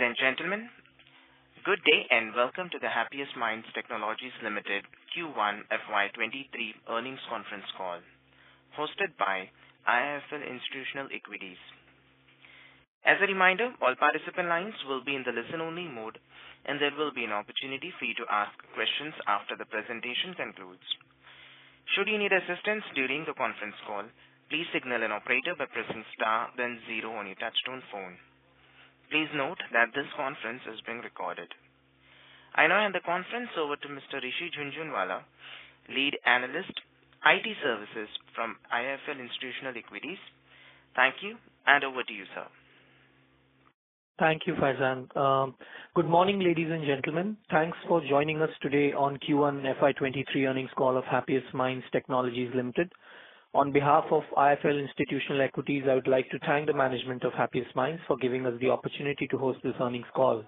Ladies and gentlemen, good day and welcome to the Happiest Minds Technologies Limited Q1 FY2023 Earnings Conference Call hosted by IIFL Institutional Equities. As a reminder, all participant lines will be in the listen-only mode, and there will be an opportunity for you to ask questions after the presentation concludes. Should you need assistance during the conference call, please signal an operator by pressing star then zero on your touchtone phone. Please note that this conference is being recorded. I now hand the conference over to Mr. Rishi Jhunjhunwala, Lead Analyst, IT Services from IIFL Institutional Equities. Thank you, and over to you, sir. Thank you, Faizan. Good morning, ladies and gentlemen. Thanks for joining us today on Q1 FY2023 earnings call of Happiest Minds Technologies Limited. On behalf of IIFL Institutional Equities, I would like to thank the management of Happiest Minds for giving us the opportunity to host this earnings call.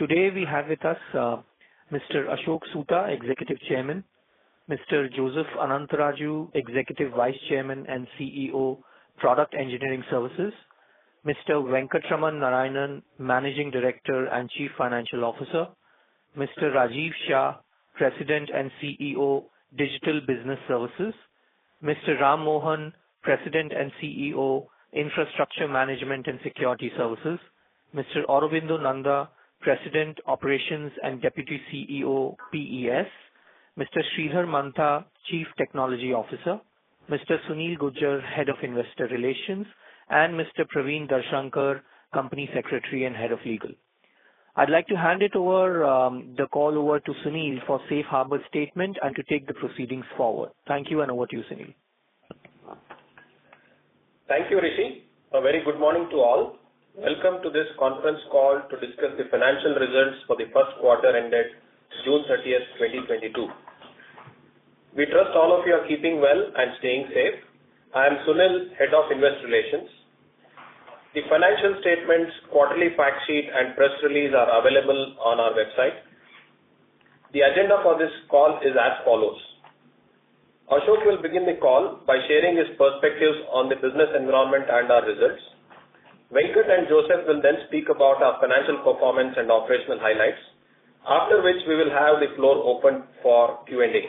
Today we have with us, Mr. Ashok Soota, Executive Chairman, Mr. Joseph Anantharaju, Executive Vice Chairman and CEO, Product Engineering Services, Mr. Venkatraman Narayanan, Managing Director and Chief Financial Officer, Mr. Rajiv Shah, President and CEO, Digital Business Services, Mr. Ram Mohan C, President and CEO, Infrastructure Management and Security Services, Mr. Aurobinda Nanda, President, Operations and Deputy CEO, PES, Mr. Sridhar Mantha, Chief Technology Officer, Mr. Sunil Gujjar, Head of Investor Relations, and Mr. Praveen Kumar Darshankar, Company Secretary and Head of Legal. I'd like to hand it over, the call over to Sunil for safe harbor statement and to take the proceedings forward. Thank you, and over to you, Sunil. Thank you, Rishi. A very good morning to all. Welcome to this conference call to discuss the financial results for the first quarter ended June 30th, 2022. We trust all of you are keeping well and staying safe. I am Sunil, Head of Investor Relations. The financial statements, quarterly fact sheet, and press release are available on our website. The agenda for this call is as follows. Ashok will begin the call by sharing his perspectives on the business environment and our results. Venkat and Joseph will then speak about our financial performance and operational highlights. After which we will have the floor open for Q&A.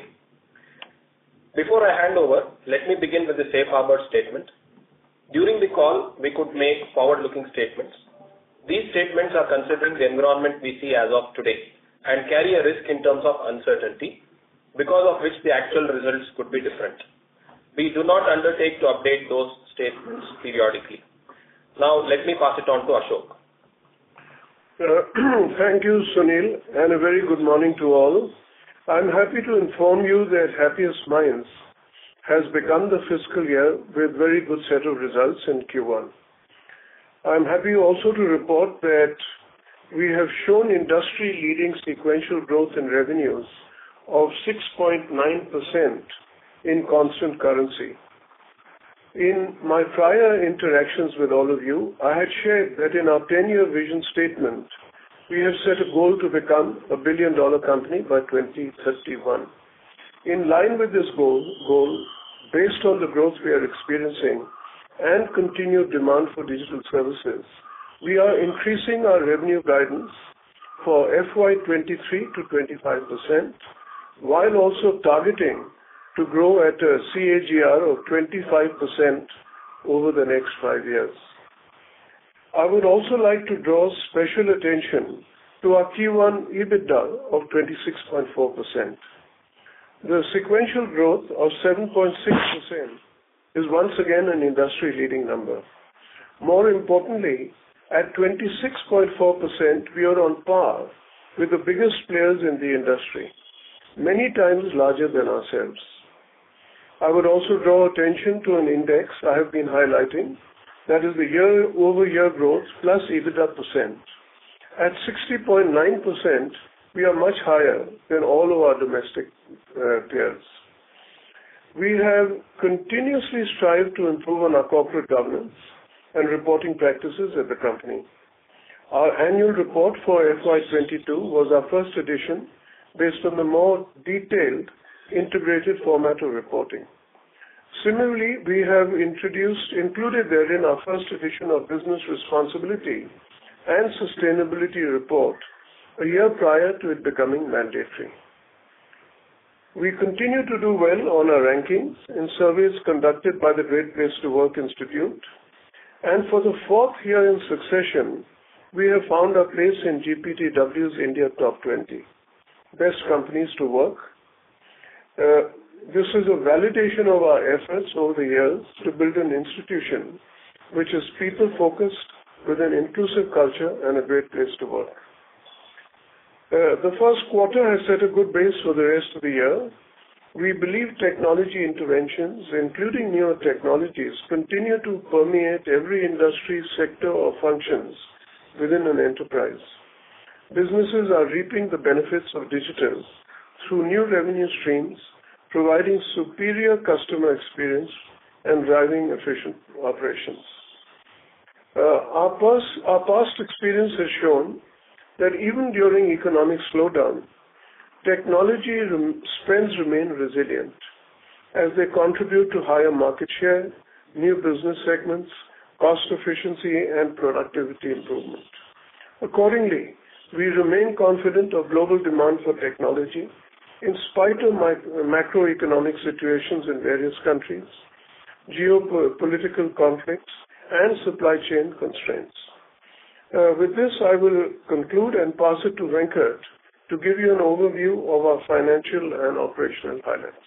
Before I hand over, let me begin with a safe harbor statement. During the call, we could make forward-looking statements. These statements are considering the environment we see as of today and carry a risk in terms of uncertainty, because of which the actual results could be different. We do not undertake to update those statements periodically. Now let me pass it on to Ashok. Thank you, Sunil, and a very good morning to all. I'm happy to inform you that Happiest Minds has begun the fiscal year with very good set of results in Q1. I'm happy also to report that we have shown industry-leading sequential growth in revenues of 6.9% in constant currency. In my prior interactions with all of you, I had shared that in our ten-year vision statement, we have set a goal to become a billion-dollar company by 2031. In line with this goal, based on the growth we are experiencing and continued demand for digital services, we are increasing our revenue guidance for FY2023 to 25%, while also targeting to grow at a CAGR of 25% over the next five years. I would also like to draw special attention to our Q1 EBITDA of 26.4%. The sequential growth of 7.6% is once again an industry-leading number. More importantly, at 26.4%, we are on par with the biggest players in the industry, many times larger than ourselves. I would also draw attention to an index I have been highlighting. That is the year-over-year growth plus EBITDA percent. At 60.9%, we are much higher than all of our domestic peers. We have continuously strived to improve on our corporate governance and reporting practices at the company. Our annual report for FY2022 was our first edition based on the more detailed integrated format of reporting. Similarly, we have included therein our first edition of business responsibility and sustainability report a year prior to it becoming mandatory. We continue to do well on our rankings in surveys conducted by the Great Place to Work Institute. For the fourth year in succession, we have found our place in GPTW's India top 20 best companies to work. This is a validation of our efforts over the years to build an institution which is people-focused with an inclusive culture and a great place to work. The first quarter has set a good base for the rest of the year. We believe technology interventions, including newer technologies, continue to permeate every industry sector or functions within an enterprise. Businesses are reaping the benefits of digital through new revenue streams, providing superior customer experience and driving efficient operations. Our past experience has shown that even during economic slowdown, technology spends remain resilient as they contribute to higher market share, new business segments, cost efficiency and productivity improvement. Accordingly, we remain confident of global demand for technology in spite of macroeconomic situations in various countries, geopolitical conflicts and supply chain constraints. With this, I will conclude and pass it to Venkatraman to give you an overview of our financial and operational finance.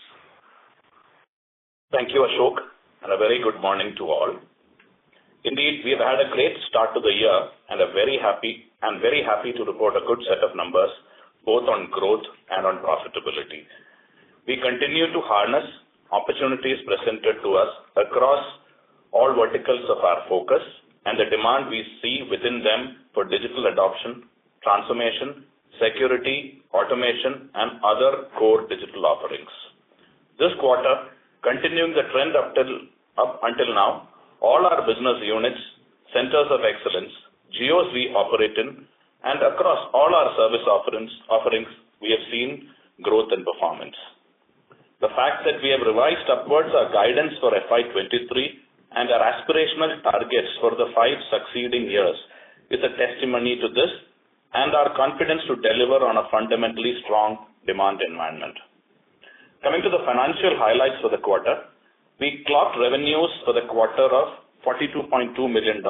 Thank you, Ashok, and a very good morning to all. Indeed, we have had a great start to the year and I'm very happy to report a good set of numbers, both on growth and on profitability. We continue to harness opportunities presented to us across all verticals of our focus and the demand we see within them for digital adoption, transformation, security, automation and other core digital offerings. This quarter, continuing the trend up until now, all our business units, centers of excellence, geos we operate in and across all our service offerings, we have seen growth and performance. The fact that we have revised upwards our guidance for FY2023 and our aspirational targets for the five succeeding years is a testimony to this and our confidence to deliver on a fundamentally strong demand environment. Coming to the financial highlights for the quarter, we clocked revenues for the quarter of $42.2 million,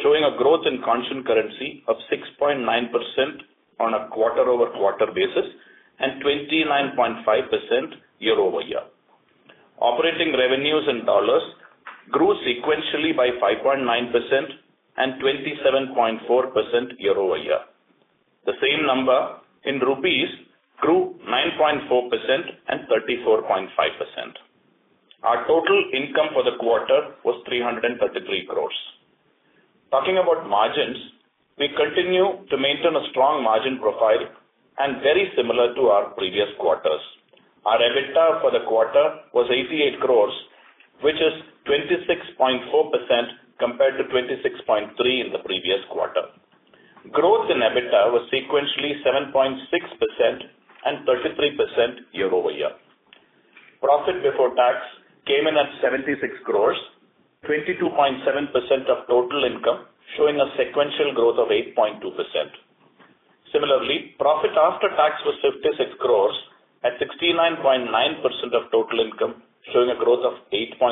showing a growth in constant currency of 6.9% on a quarter-over-quarter basis and 29.5% year-over-year. Operating revenues in dollars grew sequentially by 5.9% and 27.4% year-over-year. The same number in rupees grew 9.4% and 34.5%. Our total income for the quarter was 333 crore. Talking about margins, we continue to maintain a strong margin profile and very similar to our previous quarters. Our EBITDA for the quarter was 88 crore, which is 26.4% compared to 26.3% in the previous quarter. Growth in EBITDA was sequentially 7.6% and 33% year-over-year. Profit before tax came in at 76 crore, 22.7% of total income, showing a sequential growth of 8.2%. Similarly, profit after tax was 56 crore at 69.9% of total income, showing a growth of 8.1%.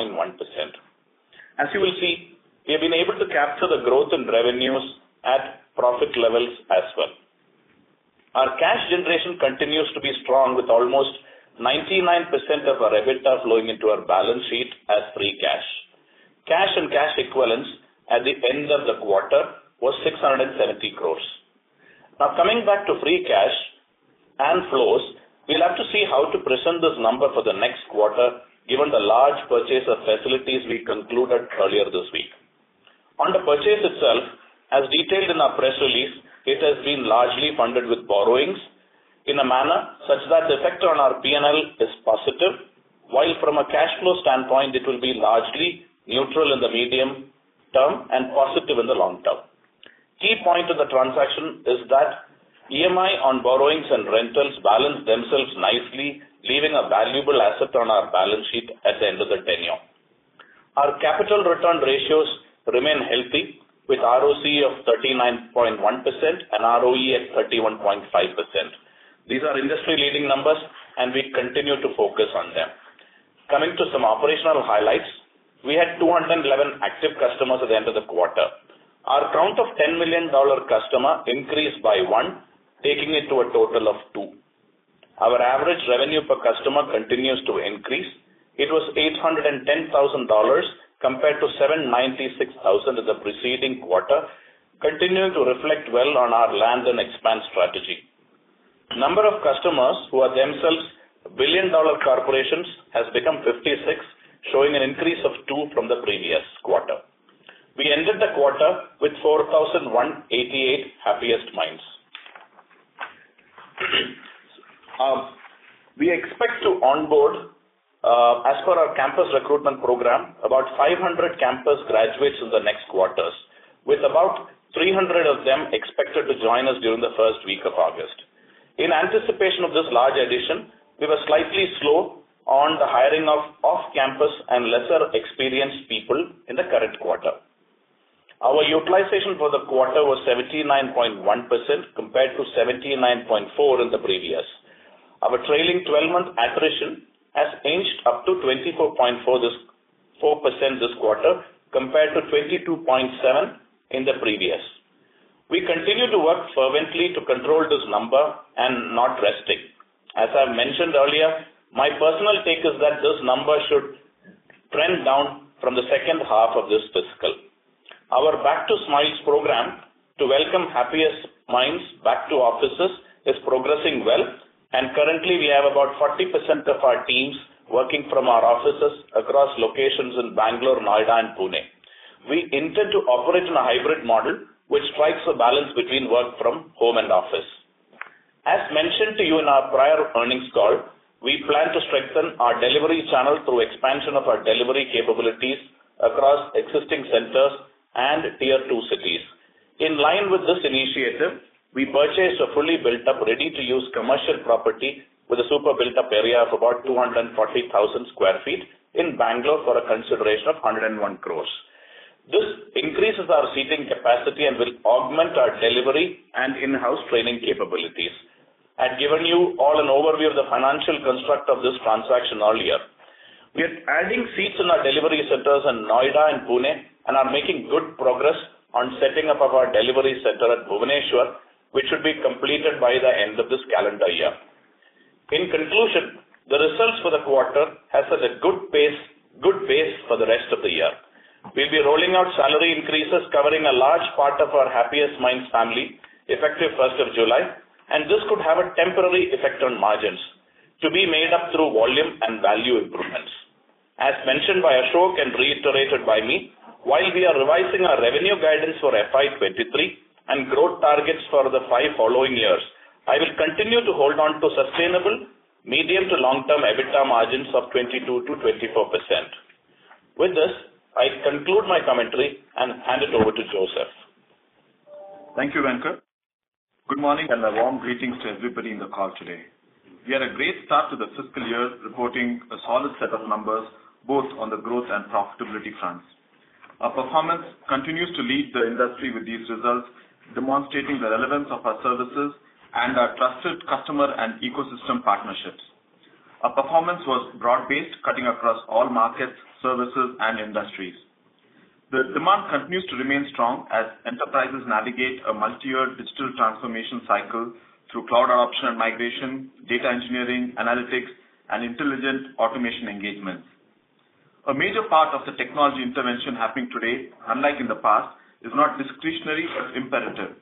As you will see, we have been able to capture the growth in revenues at profit levels as well. Our cash generation continues to be strong with almost 99% of our EBITDA flowing into our balance sheet as free cash. Cash and cash equivalents at the end of the quarter was 670 crore. Now coming back to free cash and flows, we'll have to see how to present this number for the next quarter given the large purchase of facilities we concluded earlier this week. On the purchase itself, as detailed in our press release, it has been largely funded with borrowings in a manner such that the effect on our P&L is positive, while from a cash flow standpoint it will be largely neutral in the medium term and positive in the long term. Key point of the transaction is that EMI on borrowings and rentals balance themselves nicely, leaving a valuable asset on our balance sheet at the end of the tenure. Our capital return ratios remain healthy with ROC of 39.1% and ROE at 31.5%. These are industry-leading numbers and we continue to focus on them. Coming to some operational highlights, we had 211 active customers at the end of the quarter. Our count of $10 million customer increased by one, taking it to a total of two. Our average revenue per customer continues to increase. It was $810,000 compared to $796,000 in the preceding quarter, continuing to reflect well on our Land and Expand strategy. Number of customers who are themselves billion-dollar corporations has become 56, showing an increase of two from the previous quarter. We ended the quarter with 4,188 Happiest Minds. We expect to onboard, as per our campus recruitment program, about 500 campus graduates in the next quarters, with about 300 of them expected to join us during the first week of August. In anticipation of this large addition, we were slightly slow on the hiring of off-campus and lesser experienced people in the current quarter. Our utilization for the quarter was 79.1% compared to 79.4% in the previous. Our trailing 12-month attrition has inched up to 24.4% this quarter compared to 22.7% in the previous. We continue to work fervently to control this number and not resting. As I mentioned earlier, my personal take is that this number should trend down from the second half of this fiscal. Our Back to Smiles program to welcome Happiest Minds back to offices is progressing well. Currently we have about 40% of our teams working from our offices across locations in Bangalore, Noida and Pune. We intend to operate in a hybrid model which strikes a balance between work from home and office. As mentioned to you in our prior earnings call, we plan to strengthen our delivery channel through expansion of our delivery capabilities across existing centers and Tier 2 cities. In line with this initiative, we purchased a fully built up ready-to-use commercial property with a super built-up area of about 240,000 sq ft in Bangalore for a consideration of 101 crore. This increases our seating capacity and will augment our delivery and in-house training capabilities. I've given you all an overview of the financial construct of this transaction earlier. We are adding seats in our delivery centers in Noida and Pune and are making good progress on setting up of our delivery center at Bhubaneswar, which should be completed by the end of this calendar year. In conclusion, the results for the quarter has set a good pace, good base for the rest of the year. We'll be rolling out salary increases covering a large part of our Happiest Minds family effective first of July, and this could have a temporary effect on margins to be made up through volume and value improvements. As mentioned by Ashok and reiterated by me, while we are revising our revenue guidance for FY2023 and growth targets for the five following years, I will continue to hold on to sustainable medium to long-term EBITDA margins of 22% to 24%. With this, I conclude my commentary and hand it over to Joseph. Thank you, Venkat. Good morning and a warm greetings to everybody in the call today. We had a great start to the fiscal year, reporting a solid set of numbers both on the growth and profitability fronts. Our performance continues to lead the industry with these results, demonstrating the relevance of our services and our trusted customer and ecosystem partnerships. Our performance was broad-based, cutting across all markets, services, and industries. The demand continues to remain strong as enterprises navigate a multi-year digital transformation cycle through cloud adoption and migration, data engineering, analytics, and intelligent automation engagements. A major part of the technology intervention happening today, unlike in the past, is not discretionary but imperative.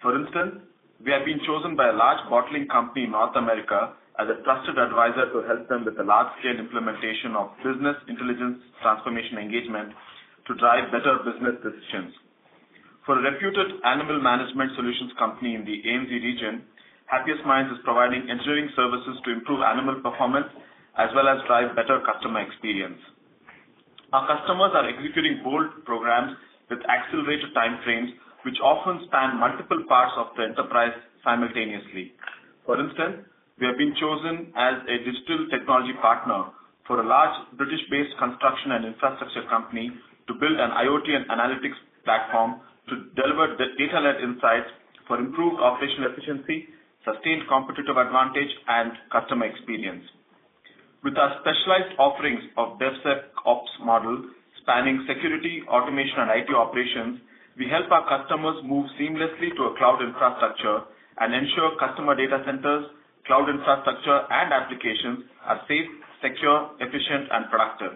For instance, we have been chosen by a large bottling company in North America as a trusted advisor to help them with the large-scale implementation of business intelligence transformation engagement to drive better business decisions. For a reputed animal management solutions company in the ANZ region, Happiest Minds is providing engineering services to improve animal performance as well as drive better customer experience. Our customers are executing bold programs with accelerated time frames, which often span multiple parts of the enterprise simultaneously. For instance, we have been chosen as a digital technology partner for a large British-based construction and infrastructure company to build an IoT and analytics platform to deliver the data-led insights for improved operational efficiency, sustained competitive advantage, and customer experience. With our specialized offerings of DevSecOps model spanning security, automation, and IT operations, we help our customers move seamlessly to a cloud infrastructure and ensure customer data centers, cloud infrastructure, and applications are safe, secure, efficient and productive.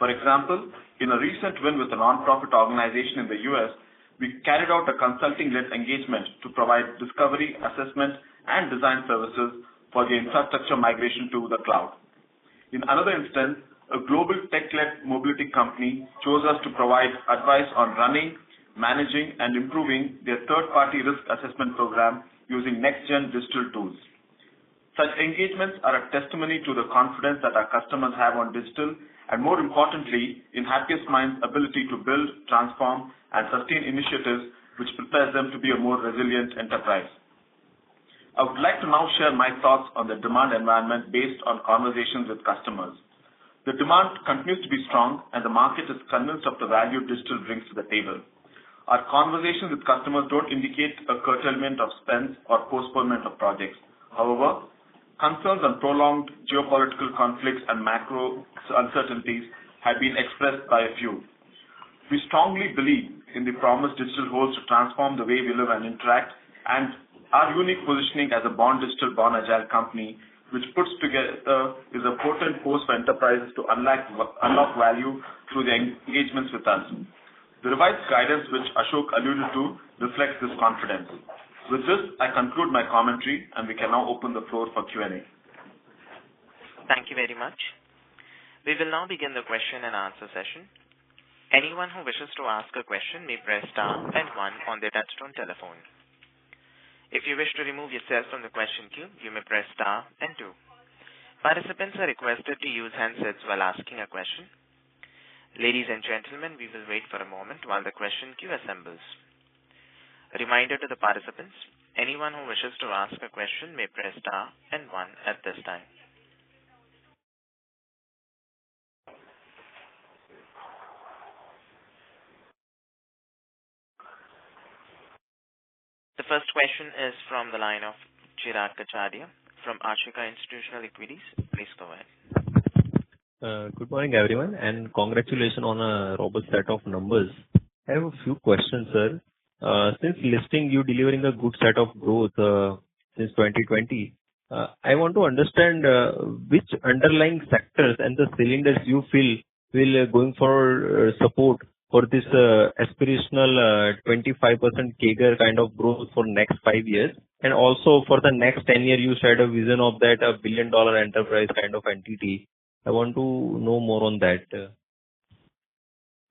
For example, in a recent win with a nonprofit organization in the U.S., we carried out a consulting-led engagement to provide discovery, assessment and design services for the infrastructure migration to the cloud. In another instance, a global tech-led mobility company chose us to provide advice on running, managing, and improving their third-party risk assessment program using next-gen digital tools. Such engagements are a testimony to the confidence that our customers have on digital and more importantly, in Happiest Minds' ability to build, transform, and sustain initiatives which prepares them to be a more resilient enterprise. I would like to now share my thoughts on the demand environment based on conversations with customers. The demand continues to be strong and the market is convinced of the value digital brings to the table. Our conversations with customers don't indicate a curtailment of spends or postponement of projects. However, concerns on prolonged geopolitical conflicts and macro uncertainties have been expressed by a few. We strongly believe in the promise digital holds to transform the way we live and interact, and our unique positioning as a born digital, born agile company, which, put together, is a potent force for enterprises to unlock value through their engagements with us. The revised guidance which Ashok alluded to reflects this confidence. With this, I conclude my commentary, and we can now open the floor for Q&A. Thank you very much. We will now begin the question and answer session. Anyone who wishes to ask a question may press star then one on their touchtone telephone. If you wish to remove yourself from the question queue, you may press star and two. Participants are requested to use handsets while asking a question. Ladies and gentlemen, we will wait for a moment while the question queue assembles. A reminder to the participants, anyone who wishes to ask a question may press star and one at this time. The first question is from the line of Chirag Kachhadiya from Ashika Institutional Equities. Please go ahead. Good morning, everyone, and congratulations on a robust set of numbers. I have a few questions, sir. Since listing, you're delivering a good set of growth, since 2020, I want to understand which underlying sectors and the verticals you feel will, going forward, support this aspirational 25% CAGR kind of growth for next five years and also for the next 10 years you set a vision of that a billion-dollar enterprise kind of entity. I want to know more on that.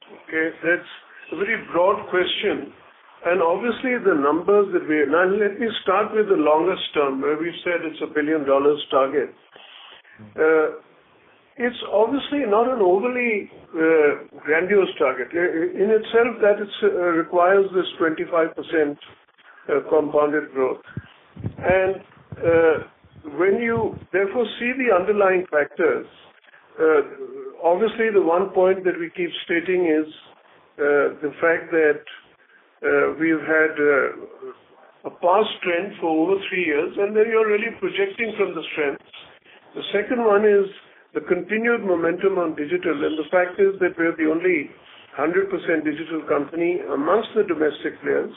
Okay, that's a very broad question. Now let me start with the longest term, where we said it's a $1 billion target. It's obviously not an overly grandiose target. In itself, that it requires this 25% compounded growth. When you therefore see the underlying factors, obviously, the one point that we keep stating is the fact that we've had a past trend for over three years, and then you're really projecting from the strengths. The second one is the continued momentum on digital, and the fact is that we're the only 100% digital company amongst the domestic players.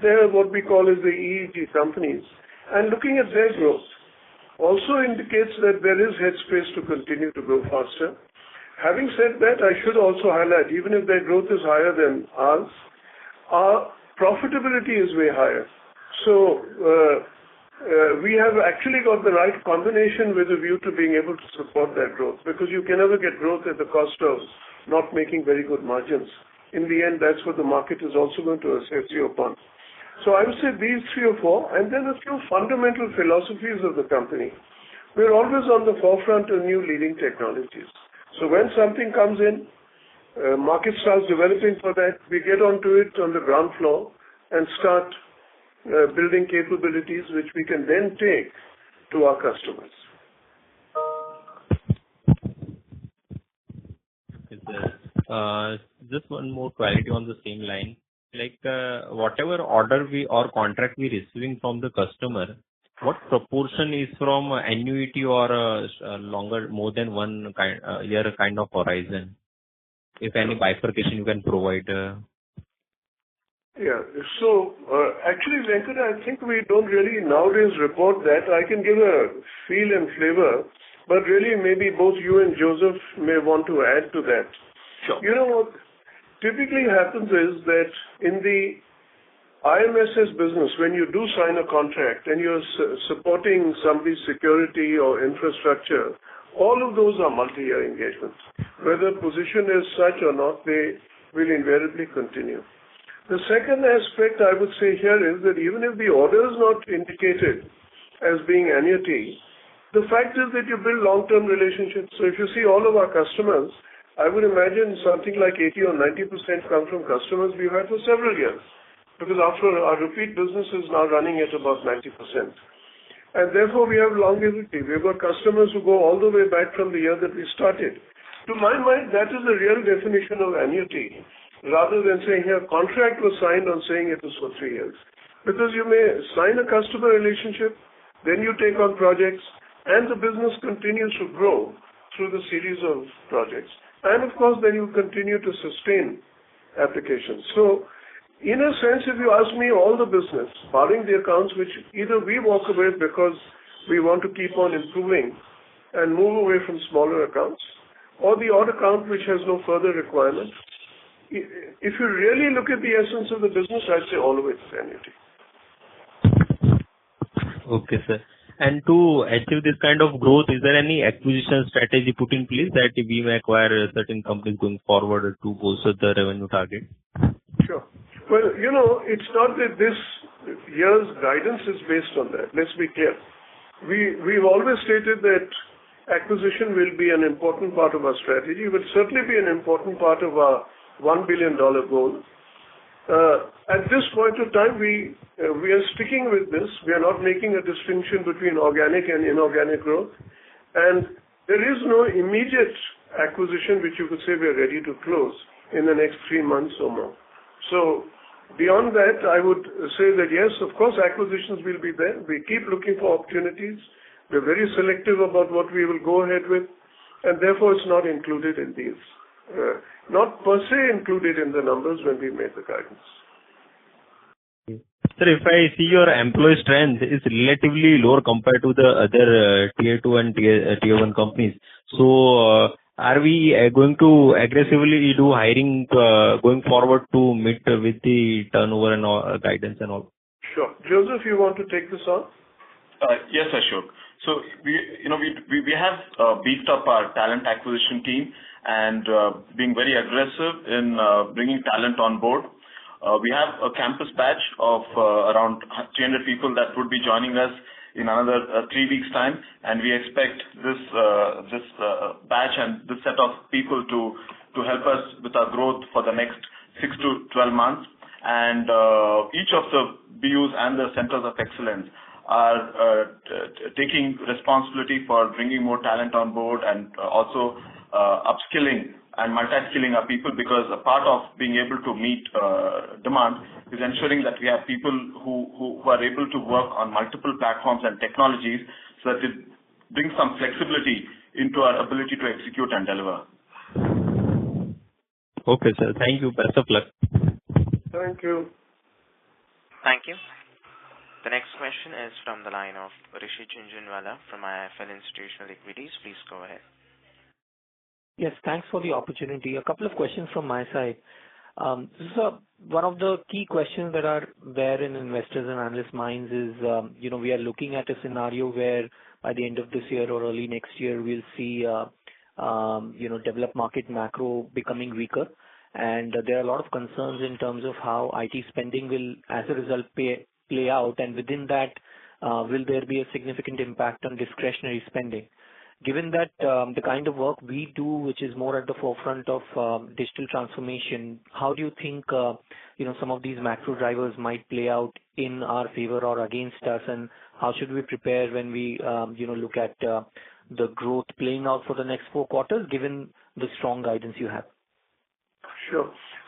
They are what we call as the EDG companies. Looking at their growth also indicates that there is headroom to continue to grow faster. Having said that, I should also highlight, even if their growth is higher than ours, our profitability is way higher. So, we have actually got the right combination with a view to being able to support that growth, because you can never get growth at the cost of not making very good margins. In the end, that's what the market is also going to assess you upon. So I would say these three or four, and then a few fundamental philosophies of the company. We're always on the forefront of new leading technologies. So when something comes in, market starts developing for that, we get onto it on the ground floor and start building capabilities which we can then take to our customers. Okay, sir. Just one more clarity on the same line. Like, whatever order or contract we're receiving from the customer, what proportion is from annuity or longer, more than one year kind of horizon? If any bifurcation you can provide. Actually, Venkatesh, I think we don't really nowadays report that. I can give a feel and flavor, but really maybe both you and Joseph may want to add to that. Sure. You know what typically happens is that in the IMSS business, when you do sign a contract and you're supporting somebody's security or infrastructure, all of those are multi-year engagements. Whether position is such or not, they will invariably continue. The second aspect I would say here is that even if the order is not indicated as being annuity, the fact is that you build long-term relationships. If you see all of our customers, I would imagine something like 80% or 90% come from customers we've had for several years. Because after all, our repeat business is now running at above 90%. Therefore, we have longevity. We've got customers who go all the way back from the year that we started. To my mind, that is the real definition of annuity rather than saying, "Here, contract was signed," and saying it was for three years. Because you may sign a customer relationship, then you take on projects, and the business continues to grow through the series of projects. Of course, then you continue to sustain applications. In a sense, if you ask me all the business, barring the accounts which either we walk away because we want to keep on improving and move away from smaller accounts or the odd account which has no further requirements, if you really look at the essence of the business, I'd say all of it is annuity. Okay, sir. To achieve this kind of growth, is there any acquisition strategy put in place that we may acquire a certain company going forward to bolster the revenue target? Sure. Well, you know, it's not that this year's guidance is based on that. Let's be clear. We've always stated that acquisition will be an important part of our strategy. It would certainly be an important part of our $1 billion goal. At this point of time, we are sticking with this. We are not making a distinction between organic and inorganic growth. There is no immediate acquisition which you could say we are ready to close in the next three months or more. Beyond that, I would say that yes, of course, acquisitions will be there. We keep looking for opportunities. We're very selective about what we will go ahead with, and therefore it's not included in these. Not per se included in the numbers when we made the guidance. Okay. Sir, if I see your employee strength is relatively lower compared to the other, tier two and tier one companies. Are we going to aggressively do hiring, going forward to meet with the turnover and all, guidance and all? Sure. Joseph, you want to take this on? Yes, Ashok. We, you know, have beefed up our talent acquisition team and being very aggressive in bringing talent on board. We have a campus batch of around 300 people that would be joining us in another three weeks time. We expect this batch and this set of people to help us with our growth for the next 6-12 months. Each of the BUs and the centers of excellence are taking responsibility for bringing more talent on board and also upskilling and multi-skilling our people because a part of being able to meet demand is ensuring that we have people who are able to work on multiple platforms and technologies so that it brings some flexibility into our ability to execute and deliver. Okay, sir. Thank you. Best of luck. Thank you. Thank you. The next question is from the line of Rishi Jhunjhunwala from IIFL Institutional Equities. Please go ahead. Yes, thanks for the opportunity. A couple of questions from my side. One of the key questions that are there in investors and analysts minds is, you know, we are looking at a scenario where by the end of this year or early next year, we'll see, you know, developed market macro becoming weaker. There are a lot of concerns in terms of how IT spending will, as a result, play out, and within that, will there be a significant impact on discretionary spending. Given that, the kind of work we do, which is more at the forefront of digital transformation, how do you think, you know, some of these macro drivers might play out in our favor or against us and how should we prepare when we, you know, look at the growth playing out for the next four quarters given the strong guidance you have?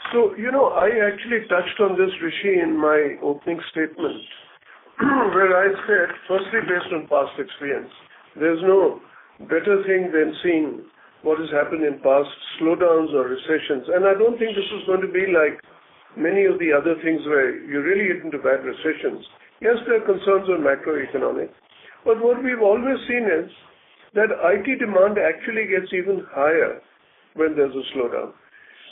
Sure. You know, I actually touched on this, Rishi, in my opening statement where I said, firstly, based on past experience, there's no better thing than seeing what has happened in past slowdowns or recessions. I don't think this is going to be like many of the other things where you really get into bad recessions. Yes, there are concerns on macroeconomic, but what we've always seen is that IT demand actually gets even higher when there's a slowdown.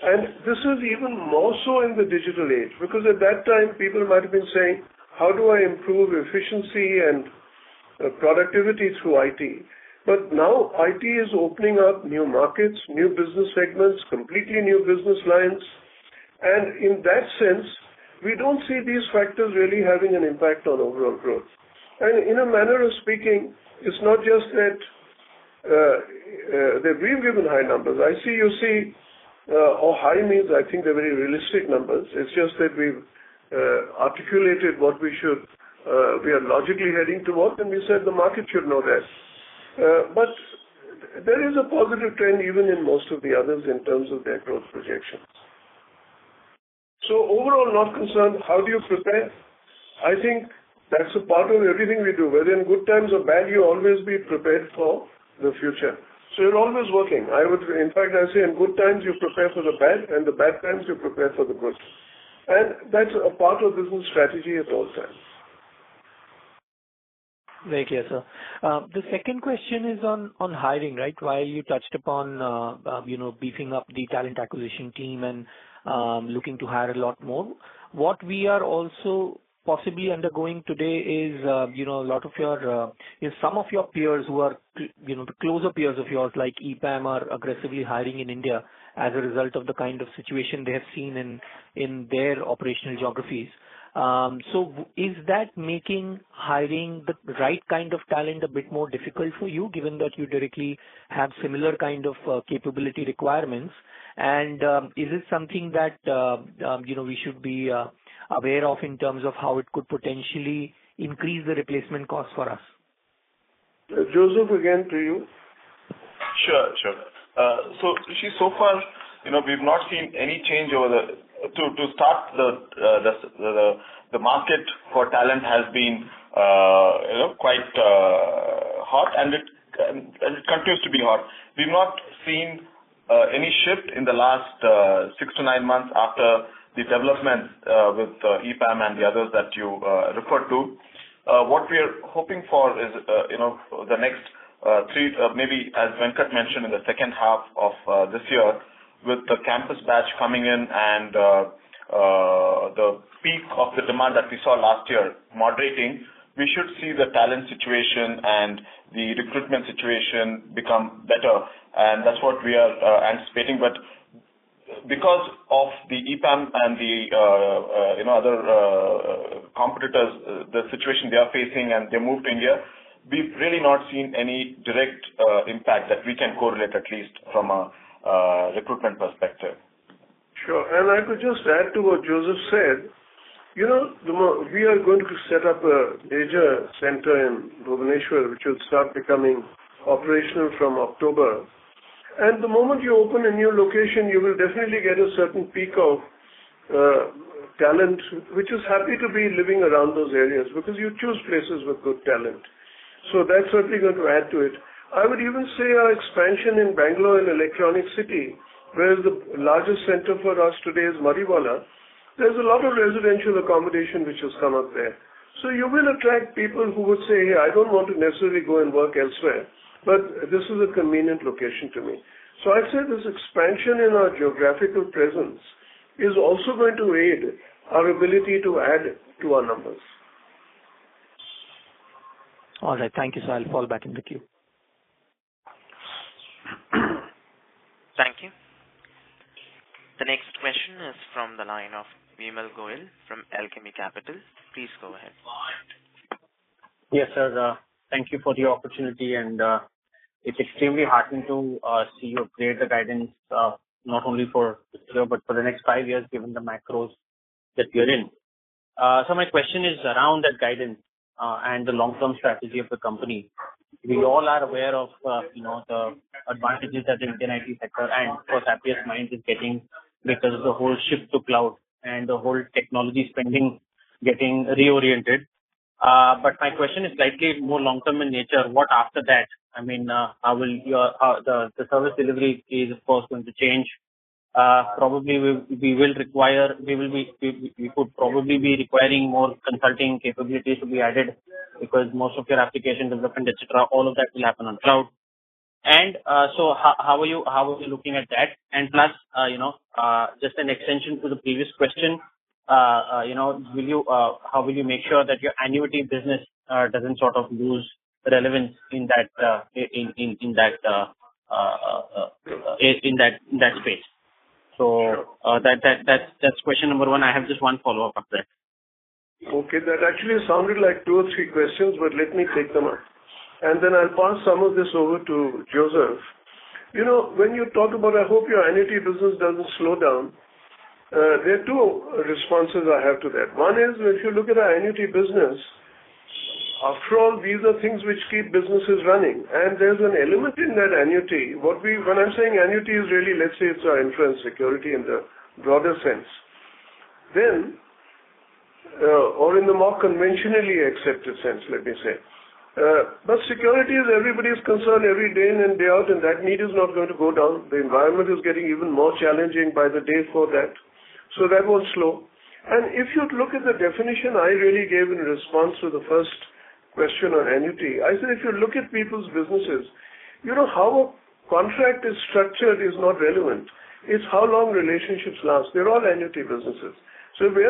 This is even more so in the digital age, because at that time, people might have been saying, "How do I improve efficiency and productivity through IT?" Now IT is opening up new markets, new business segments, completely new business lines. In that sense, we don't see these factors really having an impact on overall growth. In a manner of speaking, it's not just that we've given high numbers. I think they're very realistic numbers. It's just that we've articulated what we are logically heading towards, and we said the market should know this. But there is a positive trend even in most of the others in terms of their growth projections. Overall, not concerned. How do you prepare? I think that's a part of everything we do, whether in good times or bad, you always be prepared for the future. You're always working. I would. In fact, I say in good times, you prepare for the bad, and the bad times you prepare for the good. That's a part of business strategy at all times. Very clear, sir. The second question is on hiring, right? While you touched upon you know beefing up the talent acquisition team and looking to hire a lot more. What we are also possibly undergoing today is you know a lot of your some of your peers who are you know the closer peers of yours, like EPAM, are aggressively hiring in India as a result of the kind of situation they have seen in their operational geographies. So is that making hiring the right kind of talent a bit more difficult for you, given that you directly have similar kind of capability requirements? You know we should be aware of in terms of how it could potentially increase the replacement cost for us? Joseph, again, to you. Sure, sure. So, Rishi, so far, you know, we've not seen any change. The market for talent has been, you know, quite hot, and it continues to be hot. We've not seen any shift in the last 6-9 months after the development with EPAM and the others that you referred to. What we are hoping for is, you know, the next three, maybe as Venkat mentioned in the second half of this year, with the campus batch coming in and the peak of the demand that we saw last year moderating, we should see the talent situation and the recruitment situation become better, and that's what we are anticipating. Because of the EPAM and the, you know, other competitors, the situation they are facing, and they moved to India, we've really not seen any direct impact that we can correlate, at least from a recruitment perspective. Sure. I could just add to what Joseph said. You know, we are going to set up a major center in Bhubaneswar, which will start becoming operational from October. The moment you open a new location, you will definitely get a certain peak of talent, which is happy to be living around those areas because you choose places with good talent. That's certainly going to add to it. I would even say our expansion in Bengaluru, in Electronic City, where the largest center for us today is Marathahalli. There's a lot of residential accommodation which has come up there. You will attract people who would say, "I don't want to necessarily go and work elsewhere, but this is a convenient location to me." I'd say this expansion in our geographical presence is also going to aid our ability to add to our numbers. All right. Thank you, sir. I'll fall back in the queue. Thank you. The next question is from the line of Vimal Gohil from Alchemy Capital. Please go ahead. Yes, sir. Thank you for the opportunity. It's extremely heartening to see you create the guidance, not only for this year but for the next five years, given the macros that you're in. My question is around that guidance and the long-term strategy of the company. We all are aware of, you know, the advantages that the entire IT sector and for Happiest Minds is getting because of the whole shift to cloud and the whole technology spending getting reoriented. My question is likely more long-term in nature. What after that? I mean, how will your the service delivery is of course going to change. Probably we will require. We could probably be requiring more consulting capabilities to be added because most of your application development, et cetera, all of that will happen on cloud. How are you looking at that? Plus, you know, just an extension to the previous question. You know, how will you make sure that your annuity business doesn't sort of lose relevance in that space? That's question number one. I have just one follow-up after that. Okay. That actually sounded like two or three questions, but let me take them up. Then I'll pass some of this over to Joseph. You know, when you talk about, I hope your annuity business doesn't slow down, there are two responses I have to that. One is, if you look at our annuity business, after all, these are things which keep businesses running, and there's an element in that annuity. When I'm saying annuity is really, let's say it's our infrastructure security in the broader sense. Then, or in the more conventionally accepted sense, let me say. But security is everybody's concern every day in and day out, and that need is not going to go down. The environment is getting even more challenging by the day for that. That won't slow. If you look at the definition I really gave in response to the first question on annuity, I said, if you look at people's businesses, you know, how a contract is structured is not relevant. It's how long relationships last. They're all annuity businesses. We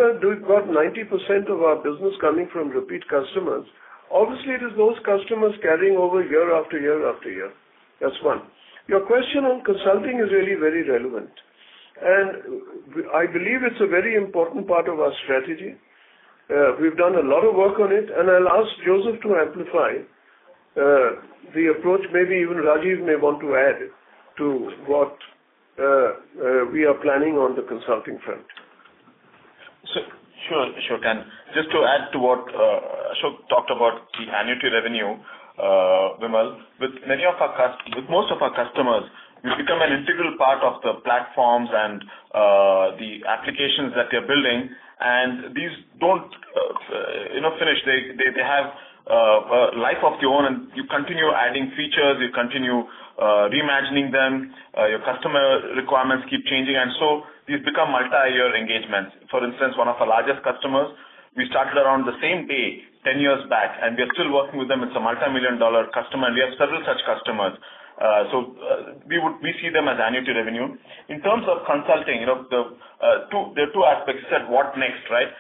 got 90% of our business coming from repeat customers. Obviously, it is those customers carrying over year after year after year. That's one. Your question on consulting is really very relevant, and I believe it's a very important part of our strategy. We've done a lot of work on it, and I'll ask Joseph to amplify the approach. Maybe even Rajiv may want to add to what we are planning on the consulting front. Sure, Ashok. Just to add to what Ashok talked about the annuity revenue, Vimal. With most of our customers, we become an integral part of the platforms and the applications that they're building. These don't, you know, finish. They have a life of their own, and you continue adding features, you continue reimagining them. Their customer requirements keep changing. These become multi-year engagements. For instance, one of our largest customers, we started around the same day ten years back, and we are still working with them. It's a multi-million-dollar customer, and we have several such customers. We see them as annuity revenue. In terms of consulting, you know, there are two aspects. It's what's next, right?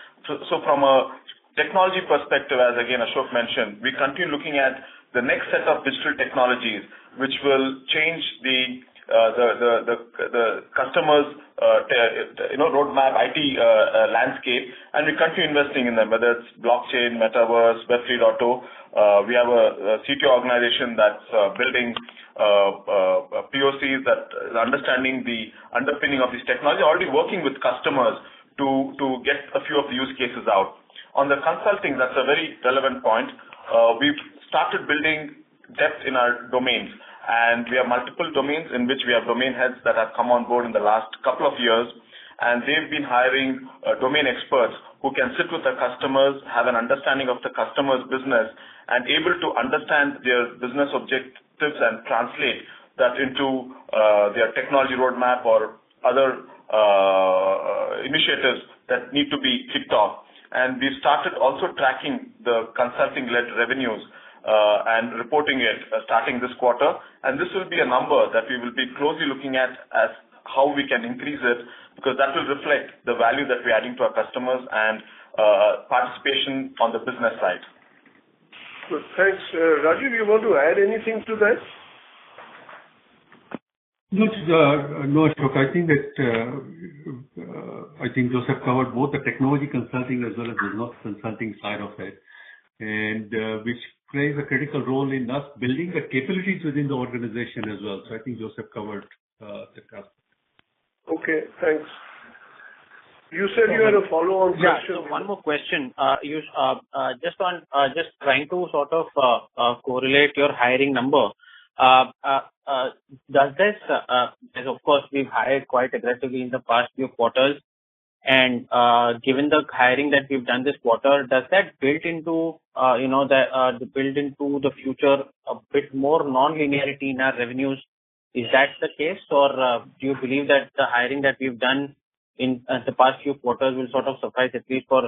From a technology perspective, as again, Ashok mentioned, we continue looking at the next set of digital technologies which will change the customer's you know roadmap, IT landscape. We continue investing in them, whether it's blockchain, metaverse, Web 3.0. We have a CTO organization that's building POCs that is understanding the underpinning of this technology. Already working with customers to get a few of the use cases out. On the consulting, that's a very relevant point. We've started building depth in our domains, and we have multiple domains in which we have domain heads that have come on board in the last couple of years. They've been hiring domain experts who can sit with the customers, have an understanding of the customer's business, and able to understand their business objectives and translate that into their technology roadmap or other initiatives that need to be kicked off. We started also tracking the consulting-led revenues and reporting it starting this quarter. This will be a number that we will be closely looking at as how we can increase it, because that will reflect the value that we're adding to our customers and participation on the business side. Good. Thanks. Rajiv, you want to add anything to that? No, sir. No, Ashok. I think Joseph covered both the technology consulting as well as the non-consulting side of it, and which plays a critical role in us building the capabilities within the organization as well. I think Joseph covered the cusp. Okay, thanks. You said you had a follow-on question. One more question. You just on trying to sort of correlate your hiring number. Does this? Because, of course, we've hired quite aggressively in the past few quarters. Given the hiring that we've done this quarter, does that build into you know the future a bit more non-linearity in our revenues? Is that the case? Do you believe that the hiring that we've done in the past few quarters will sort of suffice at least for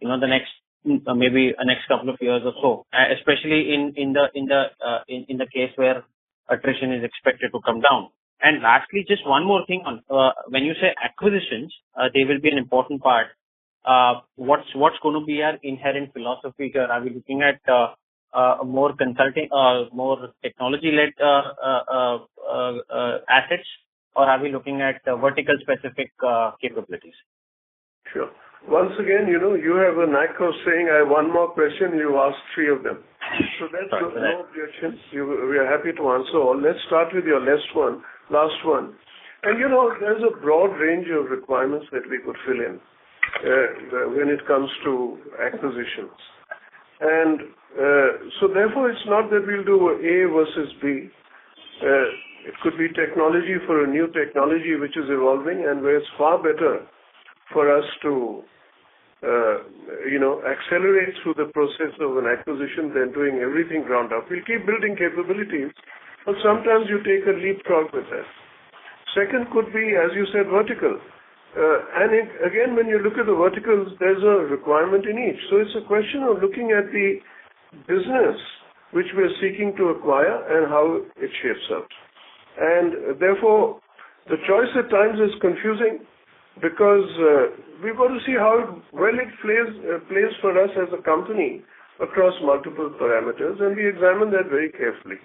you know the next, maybe the next couple of years or so, especially in the case where attrition is expected to come down? Lastly, just one more thing on when you say acquisitions, they will be an important part. What's gonna be our inherent philosophy there? Are we looking at more consulting, more technology-led assets, or are we looking at vertical-specific capabilities? Sure. Once again, you know, you have a knack of saying, "I have one more question," you ask three of them. Sorry. That's your four objections. We are happy to answer all. Let's start with your last one. You know, there's a broad range of requirements that we could fulfill when it comes to acquisitions. Therefore, it's not that we'll do A versus B. It could be technology for a new technology which is evolving and where it's far better for us to, you know, accelerate through the process of an acquisition than doing everything ground up. We'll keep building capabilities, but sometimes you take a leapfrog with this. Second could be, as you said, vertical. Again, when you look at the verticals, there's a requirement in each. It's a question of looking at the business which we are seeking to acquire and how it shapes up. Therefore the choice at times is confusing because we've got to see how well it plays for us as a company across multiple parameters, and we examine that very carefully.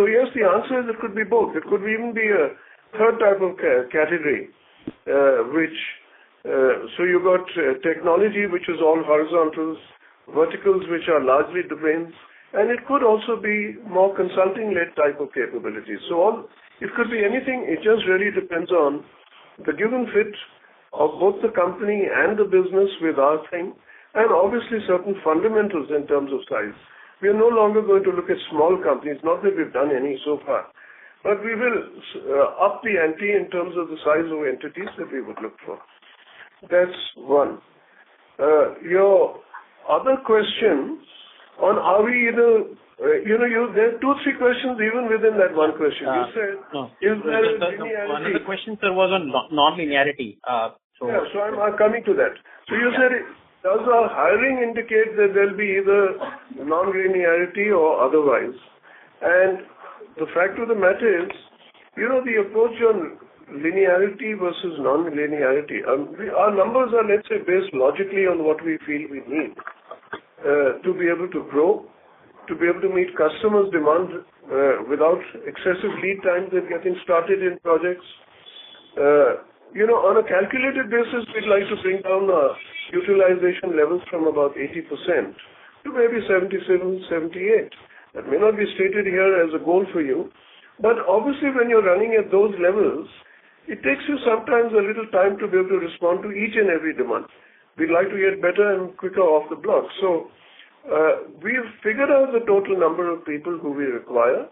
Yes, the answer is it could be both. It could even be a third type of category, which you've got technology which is all horizontals, verticals which are largely domains, and it could also be more consulting-led type of capabilities. It could be anything. It just really depends on the given fit of both the company and the business with our thing, and obviously certain fundamentals in terms of size. We are no longer going to look at small companies. Not that we've done any so far. We will up the ante in terms of the size of entities that we would look for. That's one. Your other question on are we, you know. You know, there are two, three questions even within that one question. You said, is there linearity? One of the questions, sir, was on non-linearity, so. Yeah. I'm coming to that. You said, does our hiring indicate that there'll be either non-linearity or otherwise? The fact of the matter is, you know, the approach on linearity versus non-linearity, our numbers are, let's say, based logically on what we feel we need to be able to grow, to be able to meet customers' demand without excessive lead times and getting started in projects. You know, on a calculated basis, we'd like to bring down our utilization levels from about 80% to maybe 77% to 78%. That may not be stated here as a goal for you. Obviously, when you're running at those levels, it takes you sometimes a little time to be able to respond to each and every demand. We'd like to get better and quicker off the block. We've figured out the total number of people who we require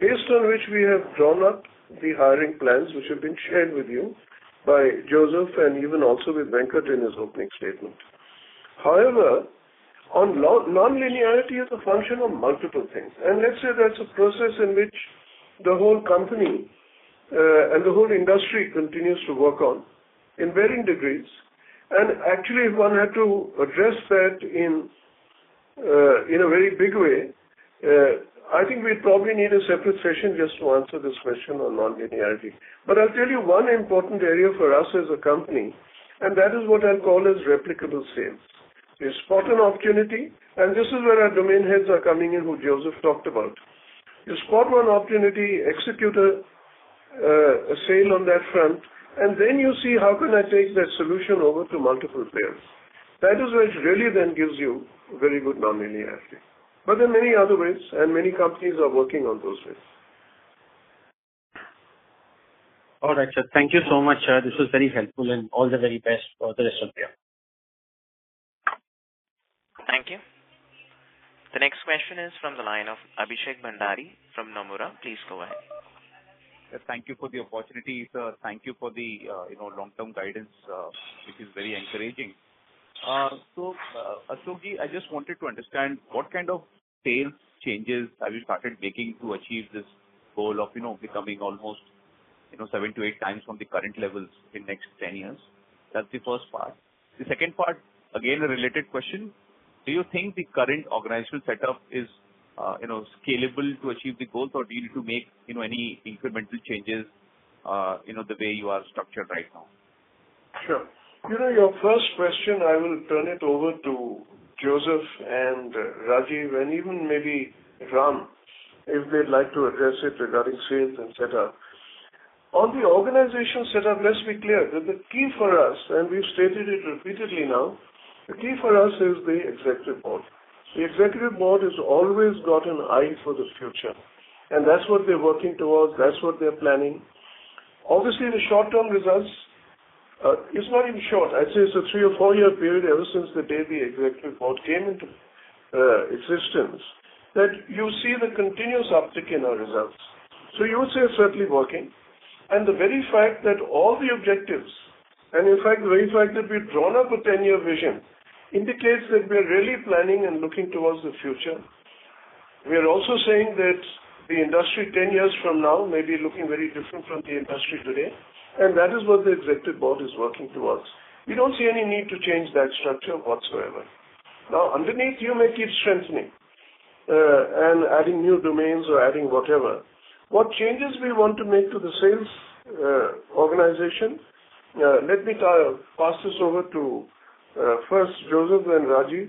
based on which we have drawn up the hiring plans, which have been shared with you by Joseph and even also with Venkatesh in his opening statement. However, non-linearity is a function of multiple things. Let's say that's a process in which the whole company, and the whole industry continues to work on in varying degrees. Actually, if one had to address that in a very big way, I think we probably need a separate session just to answer this question on non-linearity. I'll tell you one important area for us as a company, and that is what I'll call as replicable sales. You spot an opportunity, and this is where our domain heads are coming in, who Joseph talked about. You spot one opportunity, execute a sale on that front, and then you see how can I take that solution over to multiple players. That is where it really then gives you very good non-linearity. There are many other ways, and many companies are working on those ways. All right, sir. Thank you so much, sir. This was very helpful, and all the very best for the rest of the year. Thank you. The next question is from the line of Abhishek Bhandari from Nomura. Please go ahead. Thank you for the opportunity, sir. Thank you for the, you know, long-term guidance. It is very encouraging. Ashok Soota, I just wanted to understand what kind of sales changes have you started making to achieve this goal of, you know, becoming almost, you know, 7-8 times from the current levels in next 10 years? That's the first part. The second part, again, a related question. Do you think the current organizational setup is, you know, scalable to achieve the goals or do you need to make, you know, any incremental changes, you know, the way you are structured right now? Sure. You know, your first question, I will turn it over to Joseph and Rajiv, and even maybe Ram, if they'd like to address it regarding sales and setup. On the organization setup, let's be clear that the key for us, and we've stated it repeatedly now, the key for us is the executive board. The executive board has always got an eye for the future, and that's what they're working towards. That's what they're planning. Obviously, the short-term results, it's not even short. I'd say it's a three or four-year period ever since the day the executive board came into existence, that you see the continuous uptick in our results. You would say it's certainly working. The very fact that all the objectives, and in fact, the very fact that we've drawn up a ten-year vision indicates that we are really planning and looking towards the future. We are also saying that the industry ten years from now may be looking very different from the industry today, and that is what the executive board is working towards. We don't see any need to change that structure whatsoever. Now, underneath, you may keep strengthening, and adding new domains or adding whatever. What changes we want to make to the sales, organization, let me, pass this over to, first Joseph, then Rajiv.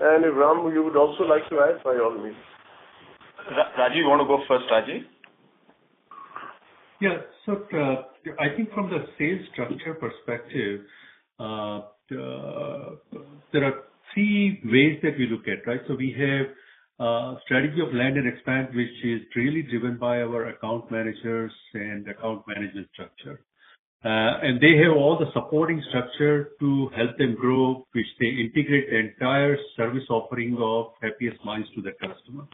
If Ram, you would also like to add, by all means. Rajiv, wanna go first, Rajiv? Yes. Look, I think from the sales structure perspective, there are three ways that we look at, right? We have a strategy of Land and Expand, which is really driven by our account managers and account management structure. They have all the supporting structure to help them grow, which they integrate the entire service offering of Happiest Minds to the customer.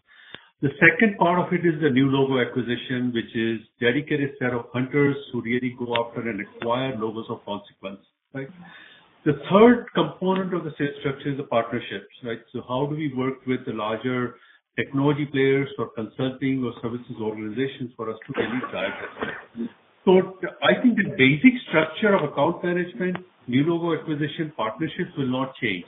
The second part of it is the new logo acquisition, which is a dedicated set of hunters who really go after and acquire logos of consequence. Right? The third component of the sales structure is the partnerships, right? How do we work with the larger technology players or consulting or services organizations for us to deliver that. I think the basic structure of account management, new logo acquisition, partnerships will not change.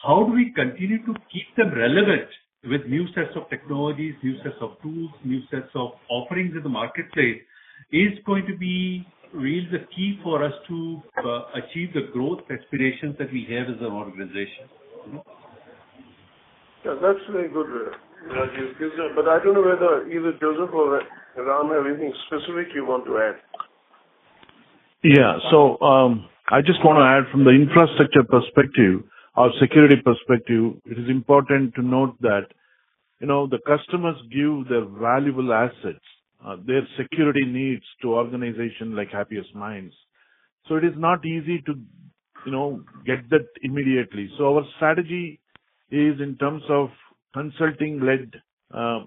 How do we continue to keep them relevant with new sets of technologies, new sets of tools, new sets of offerings in the marketplace, is going to be really the key for us to achieve the growth aspirations that we have as an organization. Yeah, that's very good, Rajiv. I don't know whether either Joseph or Ram have anything specific you want to add. Yeah. I just wanna add from the infrastructure perspective or security perspective, it is important to note that, you know, the customers give their valuable assets, their security needs to organization like Happiest Minds. It is not easy to, you know, get that immediately. Our strategy is in terms of consulting-led,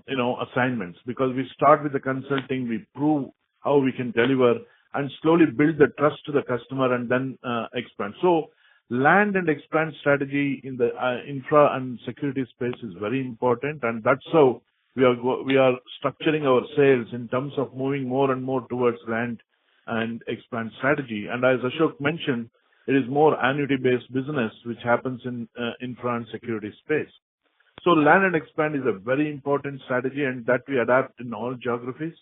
you know, assignments. Because we start with the consulting, we prove how we can deliver and slowly build the trust to the customer and then, expand. Land and Expand strategy in the, infra and security space is very important, and that's how we are structuring our sales in terms of moving more and more towards Land and Expand strategy. As Ashok mentioned, it is more annuity-based business which happens in, infra and security space. Land and Expand is a very important strategy, and that we adapt in all geographies.